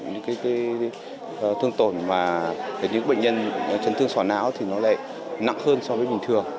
những thương tổn và những bệnh nhân chấn thương sỏ não thì nó lại nặng hơn so với bình thường